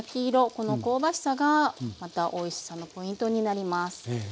この香ばしさがまたおいしさのポイントになります。